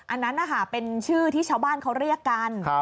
อันนั้นนะคะเป็นชื่อที่ชาวบ้านเขาเรียกกัน